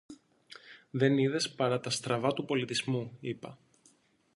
Δεν είδες παρά τα στραβά του πολιτισμού, είπα